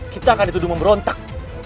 kita akan dituduh memberontak